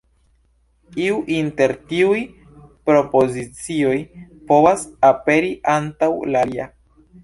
Iu inter tiuj propozicioj povas aperi antaŭ la alia.